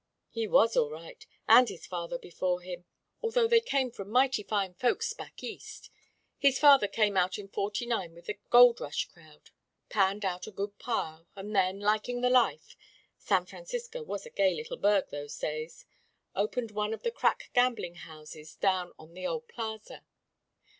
"He was, all right, and his father before him, although they came from mighty fine folks back east. His father came out in '49 with the gold rush crowd, panned out a good pile, and then, liking the life San Francisco was a gay little burg those days opened one of the crack gambling houses down on the Old Plaza.